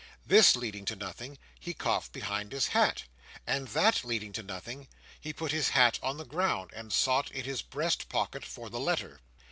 This leading to nothing, he coughed behind his hat; and that leading to nothing, he put his hat on the ground and sought in his breast pocket for the letter.